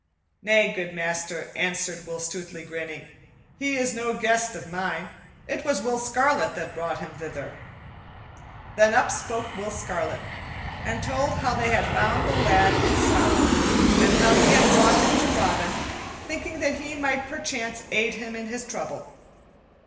"Nay, good master," answered Will Stutely, grinning, "he is no guest of mine; it was Will Scarlet that brought him thither." Then up spoke Will Scarlet, and told how they had found the lad in sorrow, and how he had brought him to Robin, thinking that he might perchance aid him in his trouble.